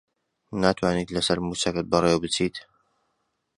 ناتوانیت لەسەر مووچەکەت بەڕێوە بچیت؟